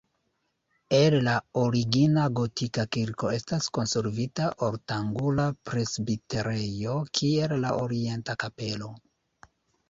El la origina gotika kirko estas konservita ortangula presbiterejo kiel la orienta kapelo.